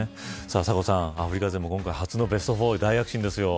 サコさん、アフリカ勢も今大会初のベスト４、大躍進ですよ。